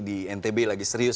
di ntb lagi serius